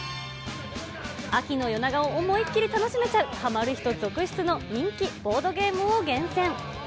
秋の夜長を思いきり楽しめちゃう、人気ボードゲームを厳選。